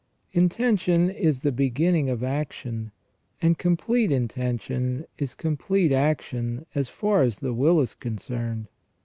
Intention is the beginning of action, and complete intention is complete action as far as the will is concerned.